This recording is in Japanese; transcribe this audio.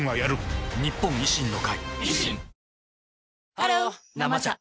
ハロー「生茶」